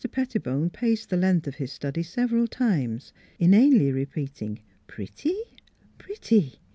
Pettibone paced the length of his study several times, inanely repeat ing "Pretty pretty!"